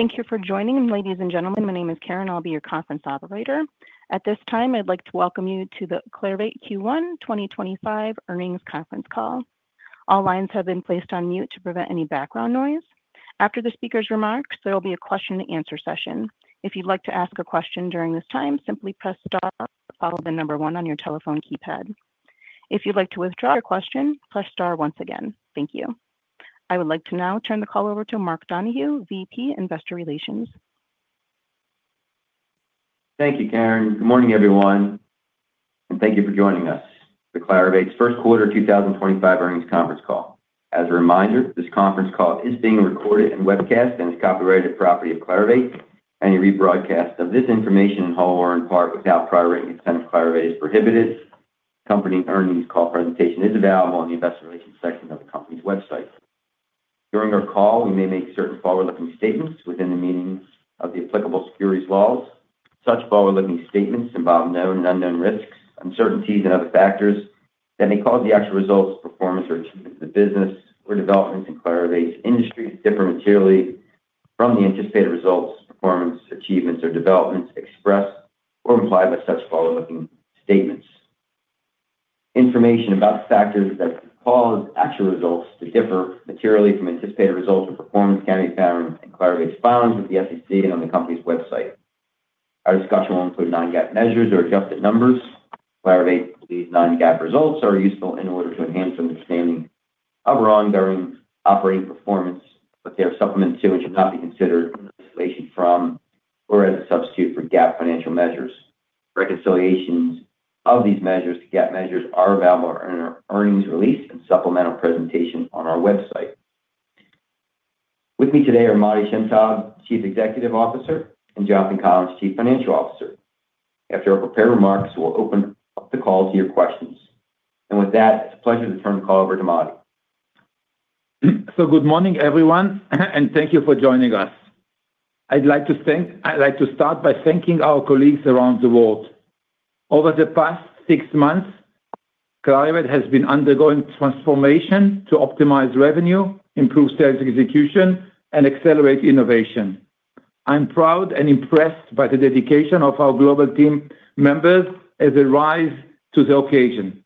Thank you for joining, ladies and gentlemen. My name is Karen. I'll be your conference operator. At this time, I'd like to welcome you to the Clarivate Q1 2025 Earnings Conference Call. All lines have been placed on mute to prevent any background noise. After the speaker's remarks, there will be a Q&A session. If you'd like to ask a question during this time, simply press star followed by number one on your telephone keypad. If you'd like to withdraw your question, press star once again. Thank you. I would like to now turn the call over to Mark Donohue, VP, Investor Relations. Thank you, Karen. Good morning, everyone, and thank you for joining us for Clarivate's first quarter 2025 Earnings Conference Call. As a reminder, this conference call is being recorded and webcast and is copyrighted property of Clarivate. Any rebroadcast of this information in whole or in part without prior written consent of Clarivate is prohibited. The company's earnings call presentation is available in the Investor Relations section of the company's website. During our call, we may make certain forward-looking statements within the meaning of the applicable securities laws. Such forward-looking statements involve known and unknown risks, uncertainties, and other factors that may cause the actual results, performance, or achievements of the business or developments in Clarivate's industry to differ materially from the anticipated results, performance, achievements, or developments expressed or implied by such forward-looking statements. Information about the factors that cause actual results to differ materially from anticipated results or performance can be found in Clarivate's filings with the SEC and on the company's website. Our discussion will include non-GAAP measures or adjusted numbers. Clarivate's non-GAAP results are useful in order to enhance understanding of underlying operating performance, but they are supplemental to and should not be considered in isolation from or as a substitute for GAAP financial measures. Reconciliations of these measures to GAAP measures are available in our earnings release and supplemental presentation on our website. With me today are Matti Shem Tov, Chief Executive Officer, and Jonathan Collins, Chief Financial Officer. After our prepared remarks, we'll open up the call to your questions. With that, it's a pleasure to turn the call over to Matti. Good morning, everyone, and thank you for joining us. I'd like to start by thanking our colleagues around the world. Over the past six months, Clarivate has been undergoing transformation to optimize revenue, improve sales execution, and accelerate innovation. I'm proud and impressed by the dedication of our global team members as they rise to the occasion.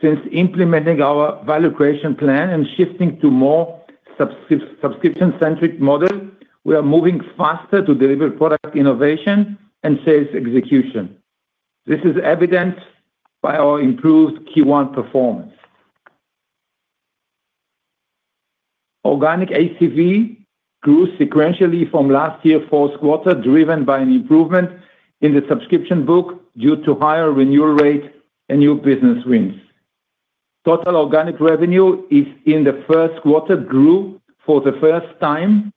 Since implementing our value creation plan and shifting to a more subscription-centric model, we are moving faster to deliver product innovation and sales execution. This is evident by our improved Q1 performance. Organic ACV grew sequentially from last year's fourth quarter, driven by an improvement in the subscription book due to a higher renewal rate and new business wins. Total organic revenue in the first quarter grew for the first time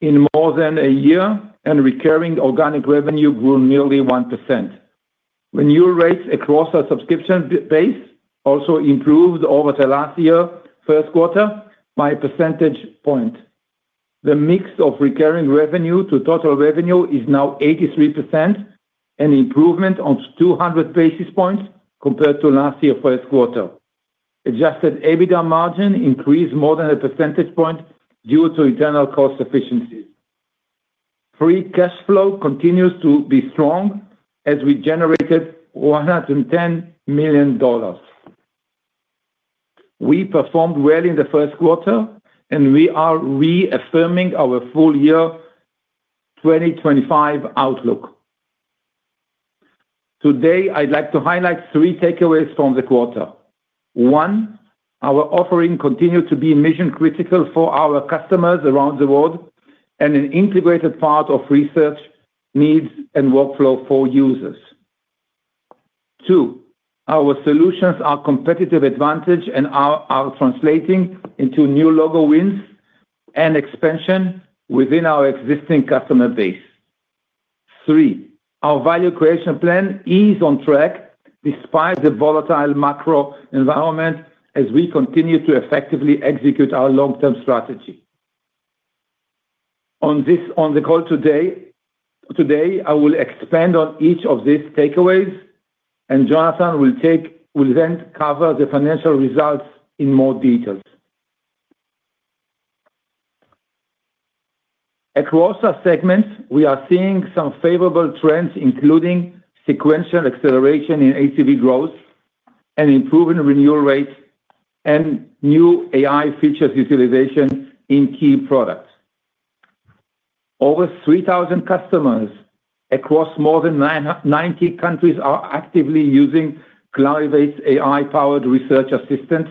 in more than a year, and recurring organic revenue grew nearly 1%. Renewal rates across our subscription base also improved over last year's first quarter by a percentage point. The mix of recurring revenue to total revenue is now 83%, an improvement of 200 basis points compared to last year's first quarter. Adjusted EBITDA margin increased more than a percentage point due to internal cost efficiencies. Free cash flow continues to be strong as we generated $110 million. We performed well in the first quarter, and we are reaffirming our full-year 2025 outlook. Today, I'd like to highlight three takeaways from the quarter. One, our offering continued to be mission-critical for our customers around the world and an integrated part of research needs and workflow for users. Two, our solutions are a competitive advantage and are translating into new logo wins and expansion within our existing customer base. Three, our Value Creation Plan is on track despite the volatile macro environment as we continue to effectively execute our long-term strategy. On the call today, I will expand on each of these takeaways, and Jonathan will then cover the financial results in more detail. Across our segments, we are seeing some favorable trends, including sequential acceleration in ACV growth and improving renewal rates and new AI features utilization in key products. Over 3,000 customers across more than 90 countries are actively using Clarivate's AI-powered research assistant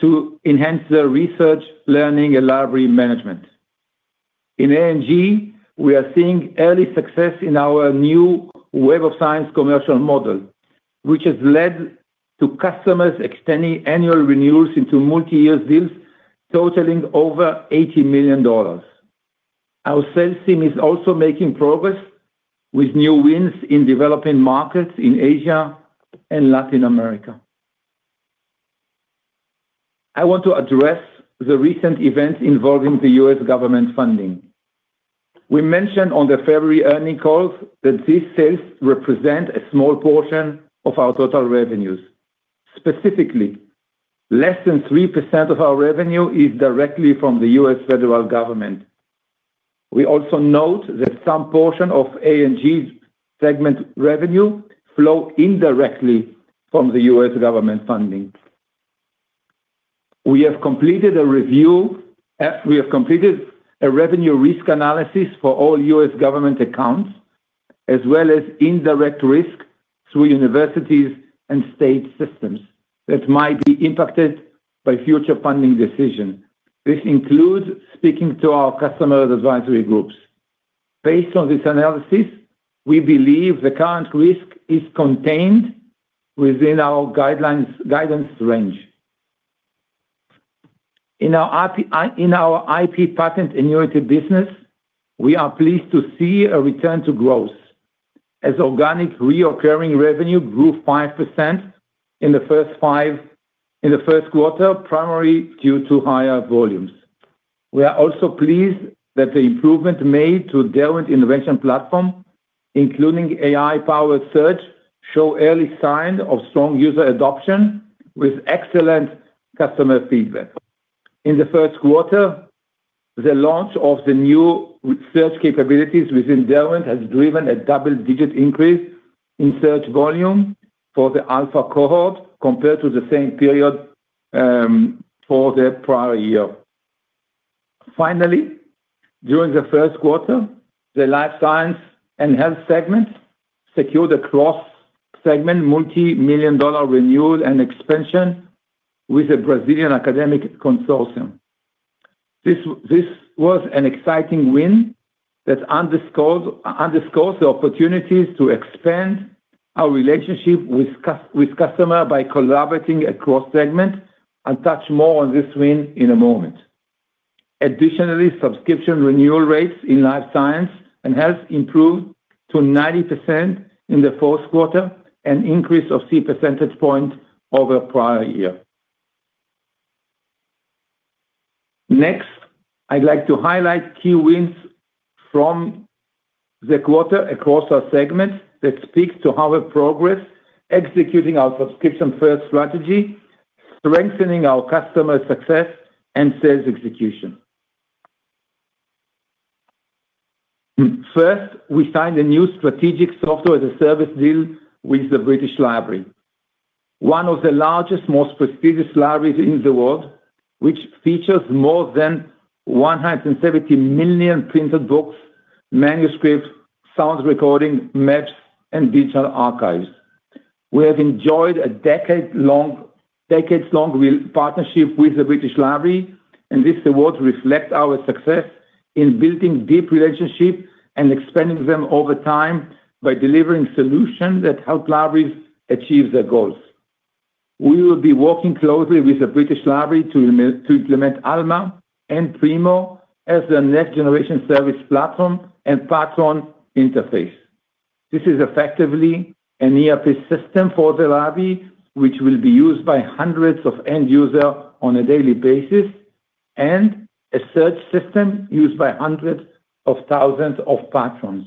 to enhance their research, learning, and library management. In A&G, we are seeing early success in our new Web of Science commercial model, which has led to customers extending annual renewals into multi-year deals totaling over $80 million. Our sales team is also making progress with new wins in developing markets in Asia and Latin America. I want to address the recent events involving the U.S. government funding. We mentioned on the February earnings call that these sales represent a small portion of our total revenues. Specifically, less than 3% of our revenue is directly from the U.S. federal government. We also note that some portion of A&G's segment revenue flows indirectly from the U.S. government funding. We have completed a revenue risk analysis for all U.S. government accounts, as well as indirect risk through universities and state systems that might be impacted by future funding decisions. This includes speaking to our customer advisory groups. Based on this analysis, we believe the current risk is contained within our guidance range. In our IP patent annuity business, we are pleased to see a return to growth as organic re-occurring revenue grew 5% in the first quarter, primarily due to higher volumes. We are also pleased that the improvements made to the Derwent Innovation Platform, including AI-powered search, show early signs of strong user adoption with excellent customer feedback. In the first quarter, the launch of the new search capabilities within Derwent has driven a double-digit increase in search volume for the Alpha cohort compared to the same period for the prior year. Finally, during the first quarter, the life science and health segments secured a cross-segment multi-million dollar renewal and expansion with a Brazilian academic consortium. This was an exciting win that underscores the opportunities to expand our relationship with customers by collaborating across segments, and I'll touch more on this win in a moment. Additionally, subscription renewal rates in life science and health improved to 90% in the fourth quarter, an increase of 3 percentage points over the prior year. Next, I'd like to highlight key wins from the quarter across our segments that speak to our progress executing our subscription-first strategy, strengthening our customer success, and sales execution. First, we signed a new strategic software-as-a-service deal with the British Library, one of the largest, most prestigious libraries in the world, which features more than 170 million printed books, manuscripts, sound recordings, maps, and digital archives. We have enjoyed a decades-long partnership with the British Library, and these awards reflect our success in building deep relationships and expanding them over time by delivering solutions that help libraries achieve their goals. We will be working closely with the British Library to implement Alma and Primo as the next-generation service platform and platform interface. This is effectively an ERP system for the library, which will be used by hundreds of end users on a daily basis, and a search system used by hundreds of thousands of patrons.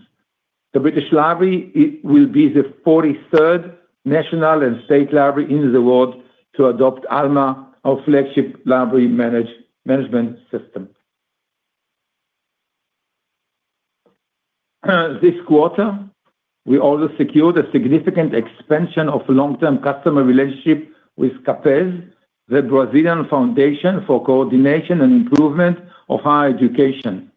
The British Library will be the 43rd national and state library in the world to adopt Alma our flagship library management system. This quarter, we also secured a significant expansion of long-term customer relationships with CAPES, the Brazilian Foundation for Coordination and Improvement of Higher Education.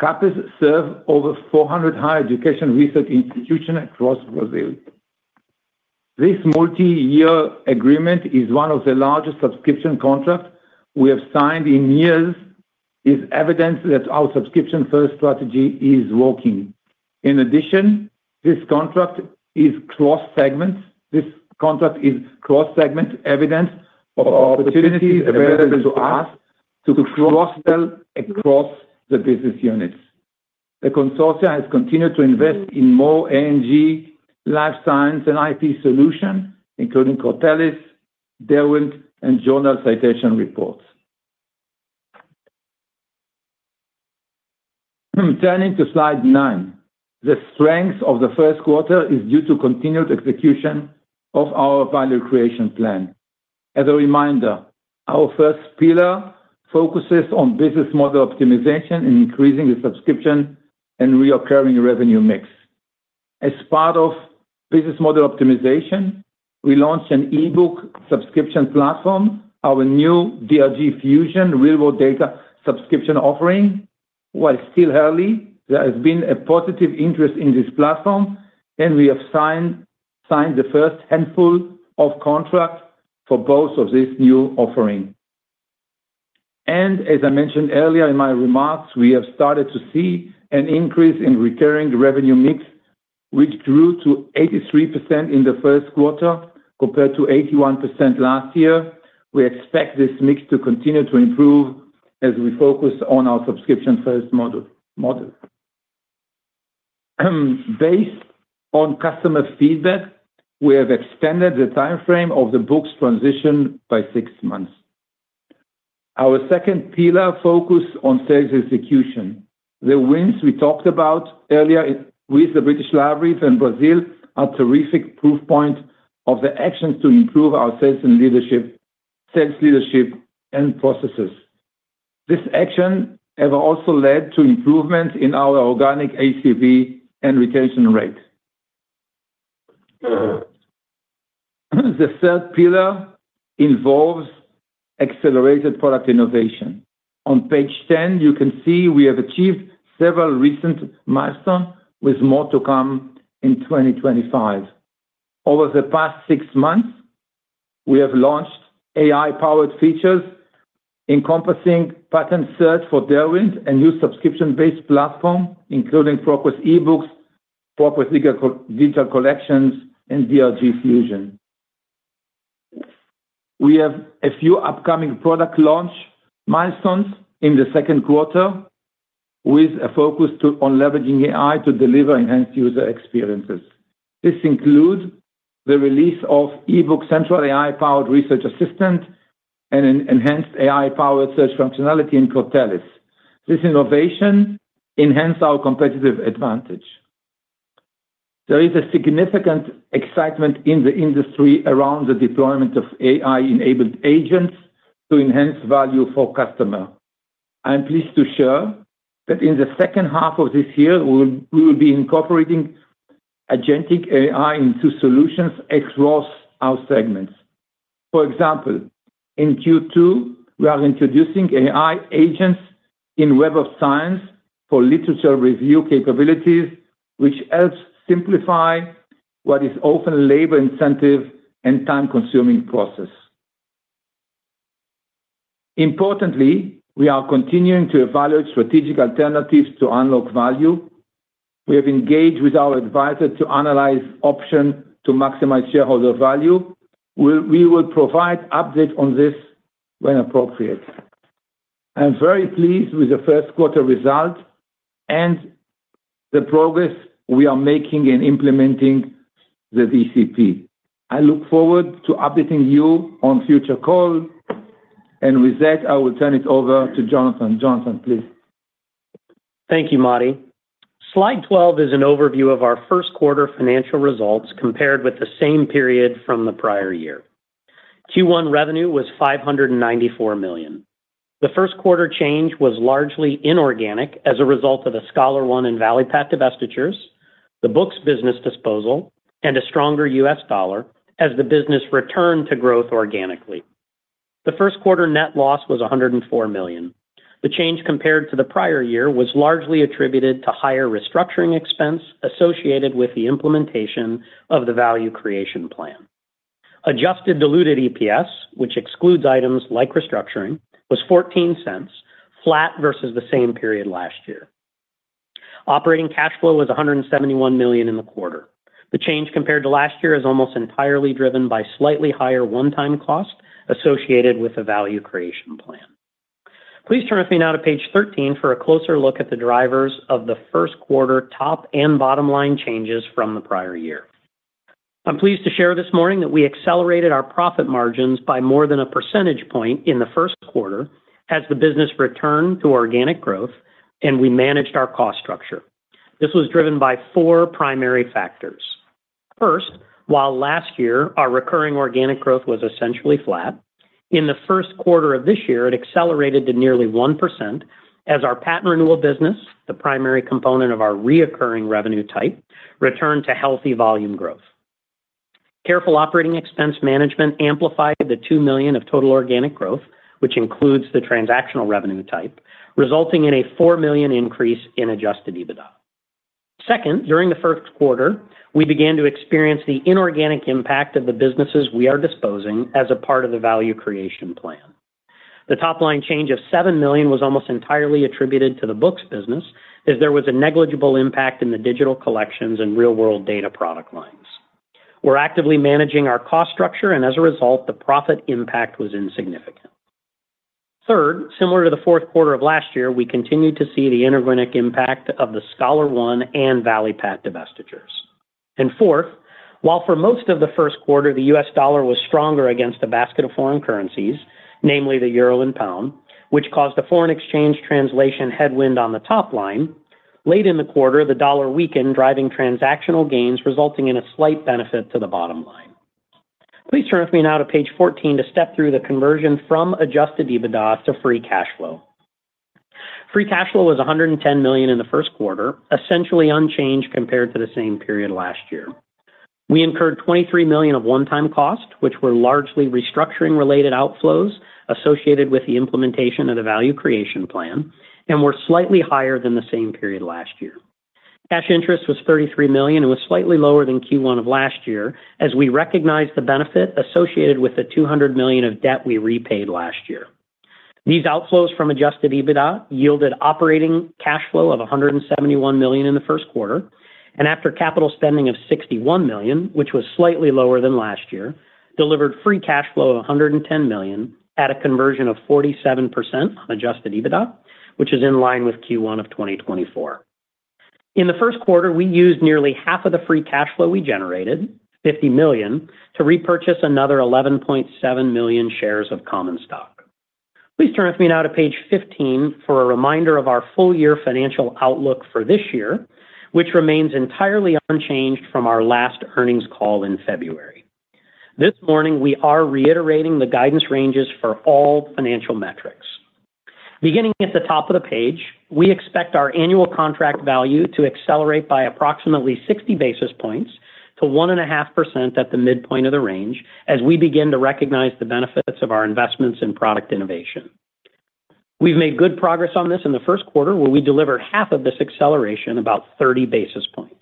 CAPES serves over 400 higher education research institutions across Brazil. This multi-year agreement is one of the largest subscription contracts we have signed in years, evidence that our subscription-first strategy is working. In addition, this contract is cross-segment. This contract is cross-segment, evidence of opportunities available to us to cross-sell across the business units. The consortium has continued to invest in more A&G life science and IP solutions, including Cortellis, Derwent, and Journal Citation Reports. Turning to slide nine, the strength of the first quarter is due to continued execution of our Value Creation Plan. As a reminder, our first pillar focuses on business model optimization and increasing the subscription and recurring revenue mix. As part of business model optimization, we launched an e-book subscription platform, our new DRG Fusion real-world data subscription offering. While still early, there has been a positive interest in this platform, and we have signed the first handful of contracts for both of these new offerings. As I mentioned earlier in my remarks, we have started to see an increase in recurring revenue mix, which grew to 83% in the first quarter compared to 81% last year. We expect this mix to continue to improve as we focus on our subscription-first model. Based on customer feedback, we have extended the timeframe of the books transition by six months. Our second pillar focuses on sales execution. The wins we talked about earlier with the British Library and Brazil are a terrific proof point of the actions to improve our sales and sales leadership and processes. This action has also led to improvements in our organic ACV and retention rate. The third pillar involves accelerated product innovation. On page 10, you can see we have achieved several recent milestones with more to come in 2025. Over the past six months, we have launched AI-powered features encompassing patent search for Derwent Innovation Platform and new subscription-based platforms, including ProQuest Ebooks, ProQuest Digital Collections, and DRG Fusion. We have a few upcoming product launch milestones in the second quarter with a focus on leveraging AI to deliver enhanced user experiences. This includes the release of Ebook Central AI-powered research assistant and an enhanced AI-powered search functionality in Cortellis. This innovation enhances our competitive advantage. There is a significant excitement in the industry around the deployment of AI-enabled agents to enhance value for customers. I'm pleased to share that in the second half of this year, we will be incorporating agentic AI into solutions across our segments. For example, in Q2, we are introducing AI agents in Web of Science for literature review capabilities, which helps simplify what is often a labor-intensive and time-consuming process. Importantly, we are continuing to evaluate strategic alternatives to unlock value. We have engaged with our advisor to analyze options to maximize shareholder value. We will provide updates on this when appropriate. I'm very pleased with the first quarter results and the progress we are making in implementing the VCP. I look forward to updating you on future calls. With that, I will turn it over to Jonathan. Jonathan, please. Thank you, Matti. Slide 12 is an overview of our first quarter financial results compared with the same period from the prior year. Q1 revenue was $594 million. The first quarter change was largely inorganic as a result of the ScholarOne and Valipat divestitures, the books business disposal, and a stronger U.S. dollar as the business returned to growth organically. The first quarter net loss was $104 million. The change compared to the prior year was largely attributed to higher restructuring expense associated with the implementation of the Value Creation Plan. Adjusted diluted EPS, which excludes items like restructuring, was $0.14, flat versus the same period last year. Operating cash flow was $171 million in the quarter. The change compared to last year is almost entirely driven by slightly higher one-time cost associated with the Value Creation Plan. Please turn with me now to page 13 for a closer look at the drivers of the first quarter top and bottom line changes from the prior year. I'm pleased to share this morning that we accelerated our profit margins by more than a percentage point in the first quarter as the business returned to organic growth, and we managed our cost structure. This was driven by four primary factors. First, while last year our recurring organic growth was essentially flat, in the first quarter of this year, it accelerated to nearly 1% as our patent renewal business, the primary component of our recurring revenue type, returned to healthy volume growth. Careful operating expense management amplified the $2 million of total organic growth, which includes the transactional revenue type, resulting in a $4 million increase in adjusted EBITDA. Second, during the first quarter, we began to experience the inorganic impact of the businesses we are disposing as a part of the Value Creation Plan. The top line change of $7 million was almost entirely attributed to the books business as there was a negligible impact in the digital collections and real-world data product lines. We're actively managing our cost structure, and as a result, the profit impact was insignificant. Third, similar to the fourth quarter of last year, we continued to see the inorganic impact of the ScholarOne and Valipat divestitures. Fourth, while for most of the first quarter, the U.S. dollar was stronger against a basket of foreign currencies, namely the EUR and GBP, which caused a foreign exchange translation headwind on the top line. Late in the quarter, the dollar weakened, driving transactional gains, resulting in a slight benefit to the bottom line. Please turn with me now to page 14 to step through the conversion from adjusted EBITDA to free cash flow. Free cash flow was $110 million in the first quarter, essentially unchanged compared to the same period last year. We incurred $23 million of one-time cost, which were largely restructuring-related outflows associated with the implementation of the Value Creation Plan, and were slightly higher than the same period last year. Cash interest was $33 million. It was slightly lower than Q1 of last year as we recognized the benefit associated with the $200 million of debt we repaid last year. These outflows from adjusted EBITDA yielded operating cash flow of $171 million in the first quarter, and after capital spending of $61 million, which was slightly lower than last year, delivered free cash flow of $110 million at a conversion of 47% on adjusted EBITDA, which is in line with Q1 of 2024. In the first quarter, we used nearly half of the free cash flow we generated, $50 million, to repurchase another 11.7 million shares of common stock. Please turn with me now to page 15 for a reminder of our full-year financial outlook for this year, which remains entirely unchanged from our last earnings call in February. This morning, we are reiterating the guidance ranges for all financial metrics. Beginning at the top of the page, we expect our annual contract value to accelerate by approximately 60 basis points to 1.5% at the midpoint of the range as we begin to recognize the benefits of our investments in product innovation. We've made good progress on this in the first quarter, where we delivered half of this acceleration, about 30 basis points.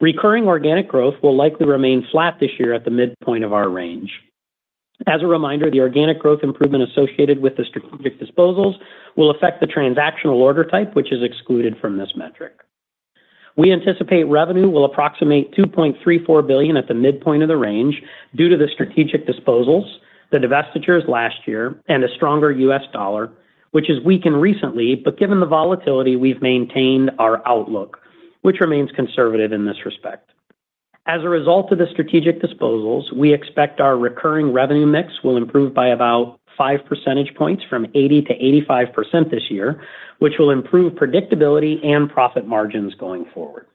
Recurring organic growth will likely remain flat this year at the midpoint of our range. As a reminder, the organic growth improvement associated with the strategic disposals will affect the transactional order type, which is excluded from this metric. We anticipate revenue will approximate $2.34 billion at the midpoint of the range due to the strategic disposals, the divestitures last year, and a stronger U.S. dollar, which has weakened recently, but given the volatility, we've maintained our outlook, which remains conservative in this respect. As a result of the strategic disposals, we expect our recurring revenue mix will improve by about 5 percentage points from 80% to 85% this year, which will improve predictability and profit margins going forward.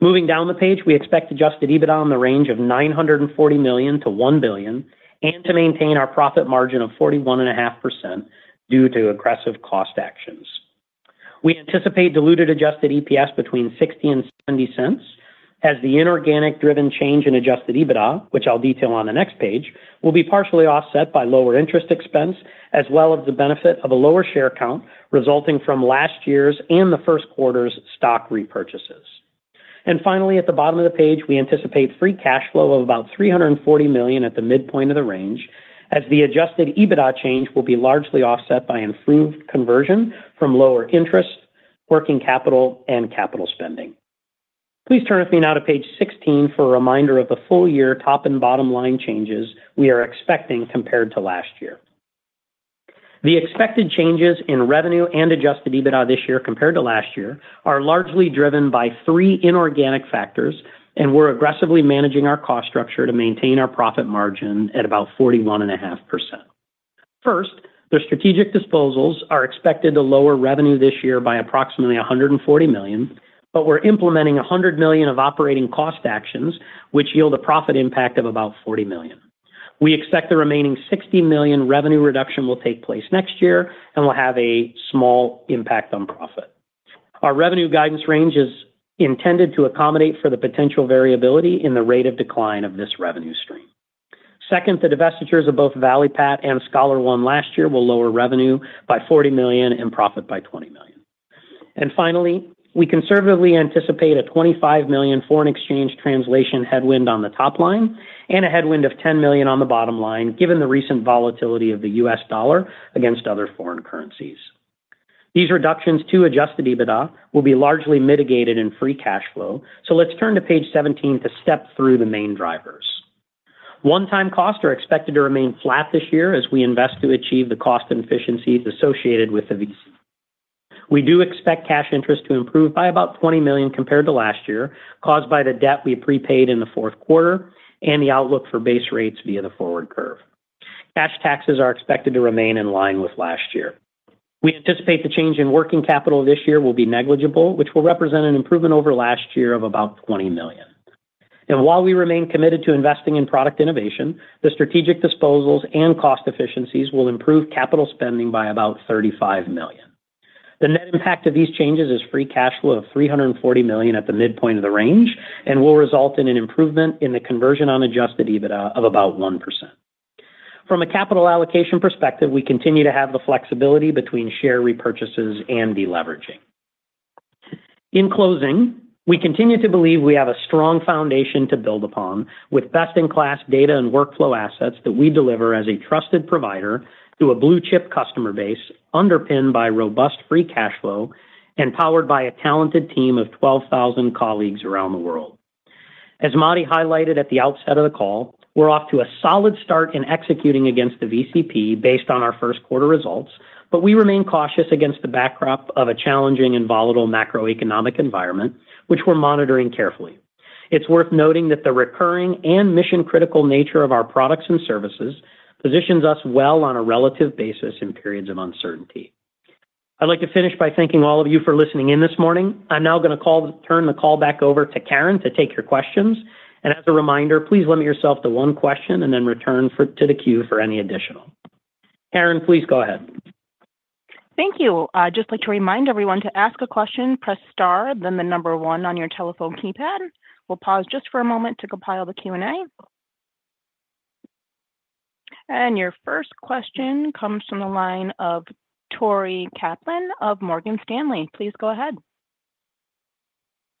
Moving down the page, we expect adjusted EBITDA in the range of $940 million-$1 billion and to maintain our profit margin of 41.5% due to aggressive cost actions. We anticipate diluted adjusted EPS between $0.60 and $0.70 as the inorganic-driven change in adjusted EBITDA, which I'll detail on the next page, will be partially offset by lower interest expense as well as the benefit of a lower share count resulting from last year's and the first quarter's stock repurchases. Finally, at the bottom of the page, we anticipate free cash flow of about $340 million at the midpoint of the range as the adjusted EBITDA change will be largely offset by improved conversion from lower interest, working capital, and capital spending. Please turn with me now to page 16 for a reminder of the full-year top and bottom line changes we are expecting compared to last year. The expected changes in revenue and adjusted EBITDA this year compared to last year are largely driven by three inorganic factors, and we are aggressively managing our cost structure to maintain our profit margin at about 41.5%. First, the strategic disposals are expected to lower revenue this year by approximately $140 million, but we are implementing $100 million of operating cost actions, which yield a profit impact of about $40 million. We expect the remaining $60 million revenue reduction will take place next year and will have a small impact on profit. Our revenue guidance range is intended to accommodate for the potential variability in the rate of decline of this revenue stream. Second, the divestitures of both Valipat and ScholarOne last year will lower revenue by $40 million and profit by $20 million. Finally, we conservatively anticipate a $25 million foreign exchange translation headwind on the top line and a headwind of $10 million on the bottom line given the recent volatility of the U.S. dollar against other foreign currencies. These reductions to adjusted EBITDA will be largely mitigated in free cash flow. Let's turn to page 17 to step through the main drivers. One-time costs are expected to remain flat this year as we invest to achieve the cost efficiencies associated with the VCP. We do expect cash interest to improve by about $20 million compared to last year caused by the debt we prepaid in the fourth quarter and the outlook for base rates via the forward curve. Cash taxes are expected to remain in line with last year. We anticipate the change in working capital this year will be negligible, which will represent an improvement over last year of about $20 million. While we remain committed to investing in product innovation, the strategic disposals and cost efficiencies will improve capital spending by about $35 million. The net impact of these changes is free cash flow of $340 million at the midpoint of the range and will result in an improvement in the conversion on adjusted EBITDA of about 1%. From a capital allocation perspective, we continue to have the flexibility between share repurchases and deleveraging. In closing, we continue to believe we have a strong foundation to build upon with best-in-class data and workflow assets that we deliver as a trusted provider to a blue-chip customer base underpinned by robust free cash flow and powered by a talented team of 12,000 colleagues around the world. As Matti highlighted at the outset of the call, we're off to a solid start in executing against the VCP based on our first quarter results, but we remain cautious against the backdrop of a challenging and volatile macroeconomic environment, which we're monitoring carefully. It's worth noting that the recurring and mission-critical nature of our products and services positions us well on a relative basis in periods of uncertainty. I'd like to finish by thanking all of you for listening in this morning. I'm now going to turn the call back over to Karen to take your questions. As a reminder, please limit yourself to one question and then return to the queue for any additional. Karen, please go ahead. Thank you. I'd just like to remind everyone to ask a question, press star, then the number one on your telephone keypad. We'll pause just for a moment to compile the Q&A. Your first question comes from the line of Toni Kaplan of Morgan Stanley. Please go ahead.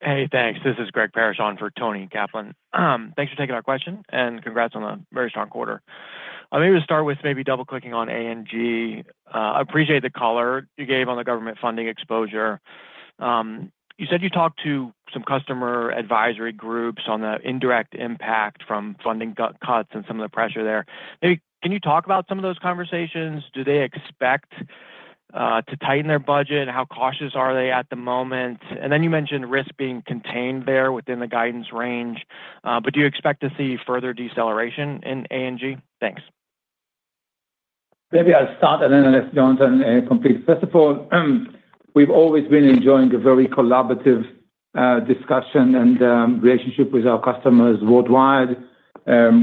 Hey, thanks. This is Greg Parrish on for Toni Kaplan. Thanks for taking our question and congrats on a very strong quarter. I'm going to start with maybe double-clicking on A&G. I appreciate the color you gave on the government funding exposure. You said you talked to some customer advisory groups on the indirect impact from funding cuts and some of the pressure there. Can you talk about some of those conversations? Do they expect to tighten their budget? How cautious are they at the moment? You mentioned risk being contained there within the guidance range. Do you expect to see further deceleration in A&G? Thanks. Maybe I'll start and then let Jonathan complete. First of all, we've always been enjoying a very collaborative discussion and relationship with our customers worldwide.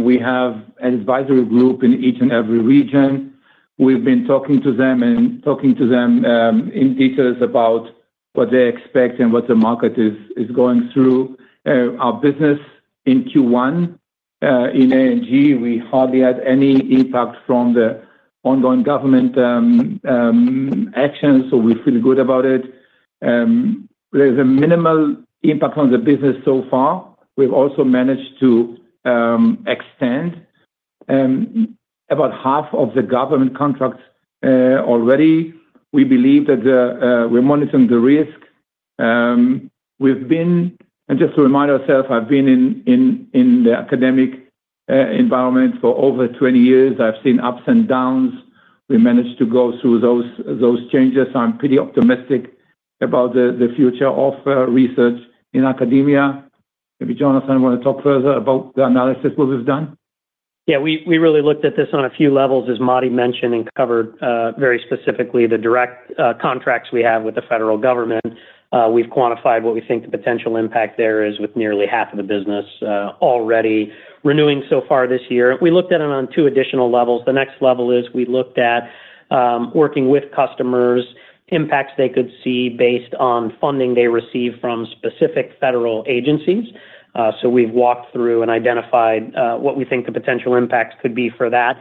We have an advisory group in each and every region. We've been talking to them and talking to them in detail about what they expect and what the market is going through. Our business in Q1 in A&G, we hardly had any impact from the ongoing government actions, so we feel good about it. There's a minimal impact on the business so far. We've also managed to extend about half of the government contracts already. We believe that we're monitoring the risk. We've been, and just to remind ourselves, I've been in the academic environment for over 20 years. I've seen ups and downs. We managed to go through those changes. I'm pretty optimistic about the future of research in academia. Maybe Jonathan, you want to talk further about the analysis that we've done? Yeah, we really looked at this on a few levels, as Matti mentioned and covered very specifically the direct contracts we have with the federal government. We've quantified what we think the potential impact there is with nearly half of the business already renewing so far this year. We looked at it on two additional levels. The next level is we looked at working with customers, impacts they could see based on funding they receive from specific federal agencies. So we've walked through and identified what we think the potential impacts could be for that.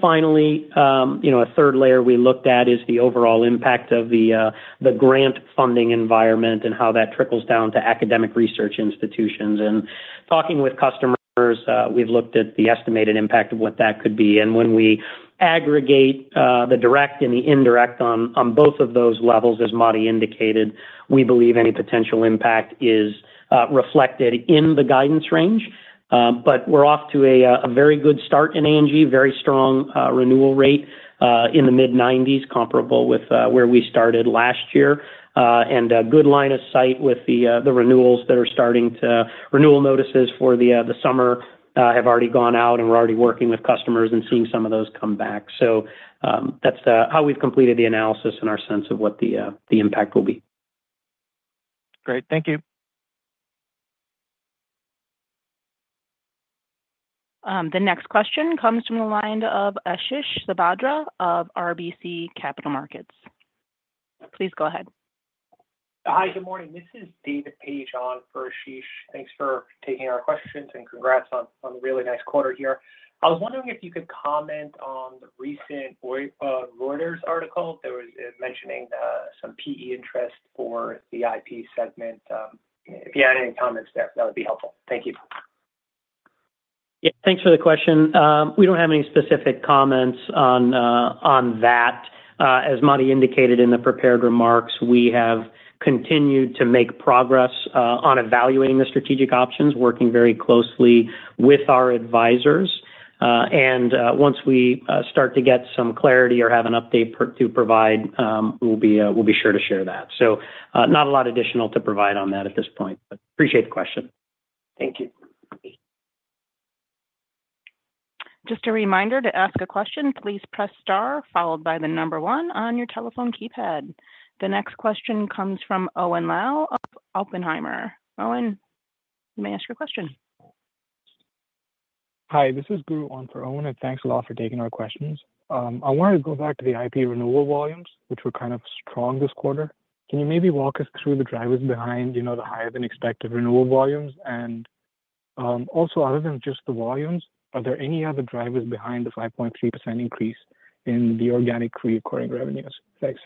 Finally, a third layer we looked at is the overall impact of the grant funding environment and how that trickles down to academic research institutions. In talking with customers, we've looked at the estimated impact of what that could be. When we aggregate the direct and the indirect on both of those levels, as Matti indicated, we believe any potential impact is reflected in the guidance range. We're off to a very good start in A&G, very strong renewal rate in the mid-90%, comparable with where we started last year. A good line of sight with the renewals that are starting to renewal notices for the summer have already gone out, and we're already working with customers and seeing some of those come back. That's how we've completed the analysis and our sense of what the impact will be. Great. Thank you. The next question comes from the line of Ashish Sabadra of RBC Capital Markets. Please go ahead. Hi, good morning. This is David Paige on for Ashish. Thanks for taking our questions and congrats on a really nice quarter here. I was wondering if you could comment on the recent Reuters article that was mentioning some PE interest for the IP segment. If you had any comments there, that would be helpful. Thank you. Yeah, thanks for the question. We do not have any specific comments on that. As Matti indicated in the prepared remarks, we have continued to make progress on evaluating the strategic options, working very closely with our advisors. Once we start to get some clarity or have an update to provide, we will be sure to share that. Not a lot additional to provide on that at this point, but appreciate the question. Thank you. Just a reminder to ask a question. Please press star followed by the number one on your telephone keypad. The next question comes from Owen Lau of Oppenheimer. Owen, you may ask your question. Hi, this is Guru on for Owen, and thanks a lot for taking our questions. I wanted to go back to the IP renewal volumes, which were kind of strong this quarter. Can you maybe walk us through the drivers behind the higher-than-expected renewal volumes? Also, other than just the volumes, are there any other drivers behind the 5.3% increase in the organic recurring revenues? Thanks.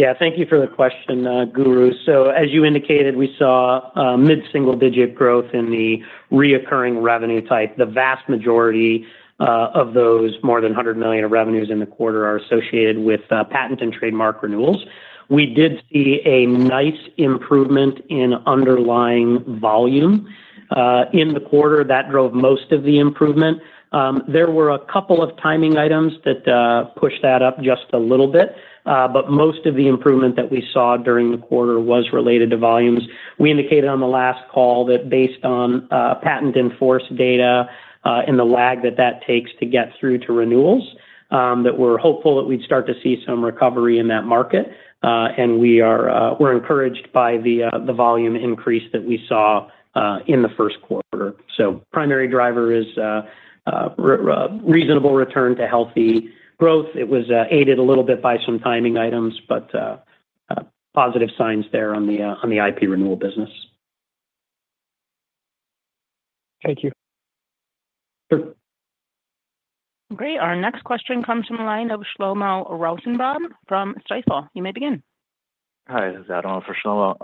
Yeah, thank you for the question, Guru. As you indicated, we saw mid-single-digit growth in the recurring revenue type. The vast majority of those, more than $100 million of revenues in the quarter, are associated with patent and trademark renewals. We did see a nice improvement in underlying volume in the quarter. That drove most of the improvement. There were a couple of timing items that pushed that up just a little bit, but most of the improvement that we saw during the quarter was related to volumes. We indicated on the last call that based on patent in-force data and the lag that that takes to get through to renewals, that we're hopeful that we'd start to see some recovery in that market. We are encouraged by the volume increase that we saw in the first quarter. Primary driver is reasonable return to healthy growth. It was aided a little bit by some timing items, but positive signs there on the IP renewal business. Thank you. Sure. Great. Our next question comes from the line of Shlomo Rosenbaum from Stifel. You may begin. Hi, this is Adam for Shlomo.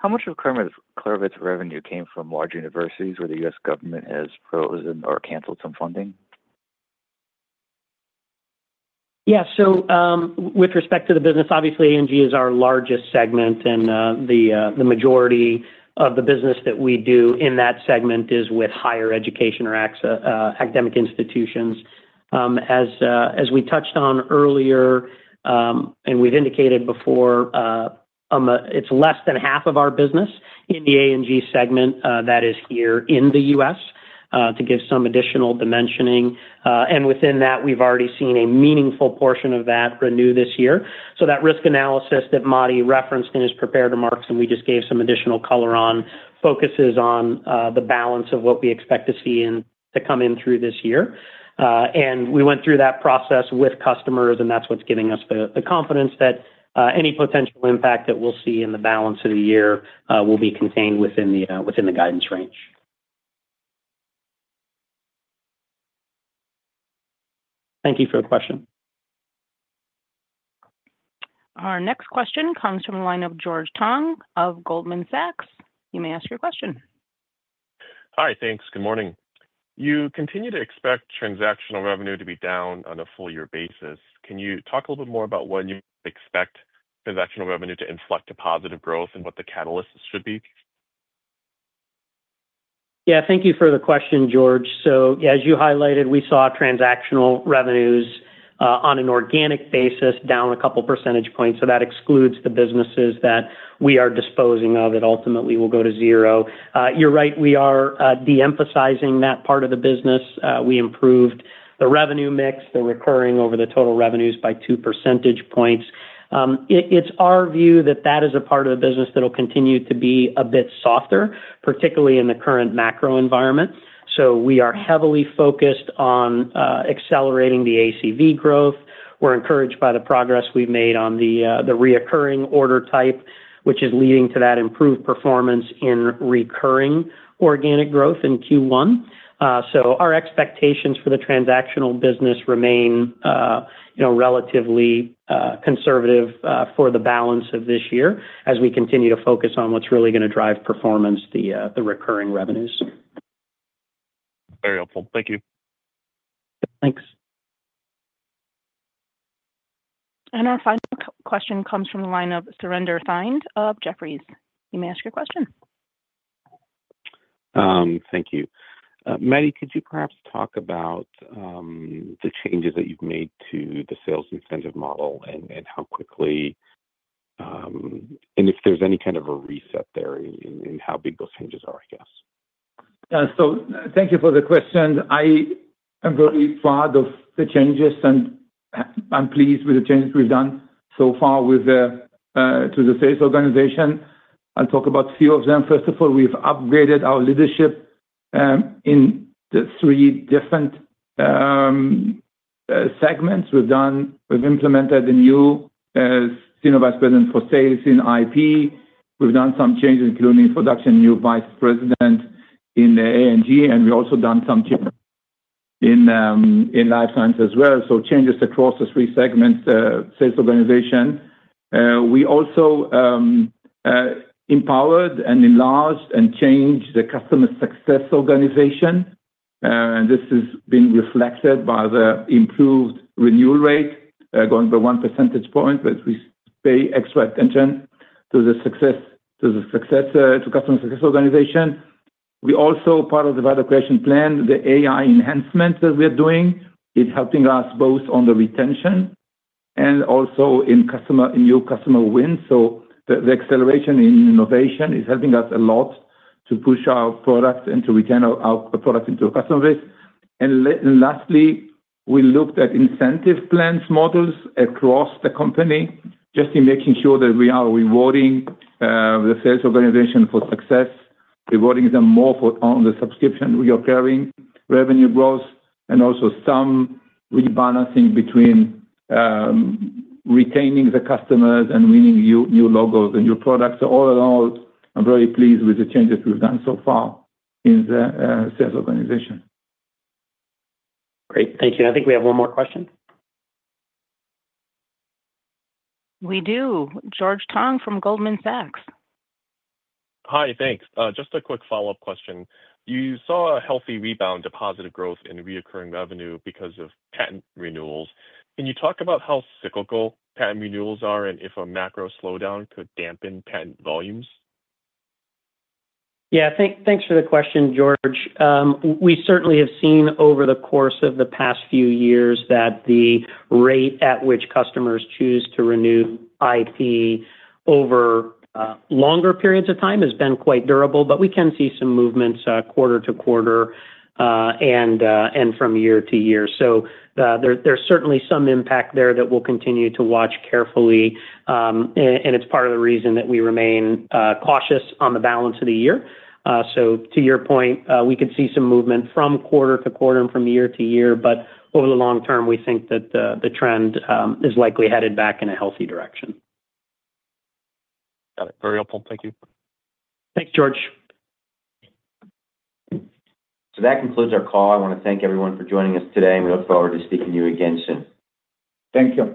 How much of Clarivate's revenue came from large universities where the U.S. government has frozen or canceled some funding? Yeah, so with respect to the business, obviously A&G is our largest segment, and the majority of the business that we do in that segment is with higher education or academic institutions. As we touched on earlier, and we've indicated before, it's less than half of our business in the A&G segment that is here in the U.S., to give some additional dimensioning. Within that, we've already seen a meaningful portion of that renew this year. That risk analysis that Matti referenced in his prepared remarks, and we just gave some additional color on, focuses on the balance of what we expect to see to come in through this year. We went through that process with customers, and that's what's giving us the confidence that any potential impact that we'll see in the balance of the year will be contained within the guidance range. Thank you for the question. Our next question comes from the line of George Tong of Goldman Sachs. You may ask your question. Hi, thanks. Good morning. You continue to expect transactional revenue to be down on a full-year basis. Can you talk a little bit more about when you expect transactional revenue to inflect to positive growth and what the catalysts should be? Yeah, thank you for the question, George. As you highlighted, we saw transactional revenues on an organic basis down a couple of percentage points. That excludes the businesses that we are disposing of that ultimately will go to zero. You're right. We are de-emphasizing that part of the business. We improved the revenue mix, the recurring over the total revenues by two percentage points. It's our view that that is a part of the business that will continue to be a bit softer, particularly in the current macro environment. We are heavily focused on accelerating the ACV growth. We're encouraged by the progress we've made on the recurring order type, which is leading to that improved performance in recurring organic growth in Q1. Our expectations for the transactional business remain relatively conservative for the balance of this year as we continue to focus on what's really going to drive performance, the recurring revenues. Very helpful. Thank you. Thanks. Our final question comes from the line of Surinder Thind of Jefferies. You may ask your question. Thank you. Matti, could you perhaps talk about the changes that you've made to the sales incentive model and how quickly, and if there's any kind of a reset there in how big those changes are, I guess? Thank you for the question. I am very proud of the changes, and I'm pleased with the changes we've done so far to the sales organization. I'll talk about a few of them. First of all, we've upgraded our leadership in the three different segments. We've implemented a new Senior Vice President for sales in IP. We've done some changes, including introduction of a new Vice President in A&G, and we've also done some changes in life science as well. Changes across the three segments, sales organization. We also empowered and enlarged and changed the customer success organization. This has been reflected by the improved renewal rate going by one percentage point, but we pay extra attention to the customer success organization. We also, as part of the Value Creation Plan, the AI enhancement that we're doing is helping us both on the retention and also in new customer wins. The acceleration in innovation is helping us a lot to push our product and to retain our product into a customer base. Lastly, we looked at incentive plan models across the company, just in making sure that we are rewarding the sales organization for success, rewarding them more on the subscription recurring revenue growth, and also some rebalancing between retaining the customers and winning new logos and new products. All in all, I'm very pleased with the changes we've done so far in the sales organization. Great. Thank you. I think we have one more question. We do. George Tong from Goldman Sachs. Hi, thanks. Just a quick follow-up question. You saw a healthy rebound to positive growth in recurring revenue because of patent renewals. Can you talk about how cyclical patent renewals are and if a macro slowdown could dampen patent volumes? Yeah, thanks for the question, George. We certainly have seen over the course of the past few years that the rate at which customers choose to renew IP over longer periods of time has been quite durable, but we can see some movements quarter to quarter and from year to year. There is certainly some impact there that we will continue to watch carefully, and it is part of the reason that we remain cautious on the balance of the year. To your point, we could see some movement from quarter to quarter and from year-to-year, but over the long term, we think that the trend is likely headed back in a healthy direction. Got it. Very helpful. Thank you. Thanks, George. That concludes our call. I want to thank everyone for joining us today, and we look forward to speaking to you again soon. Thank you.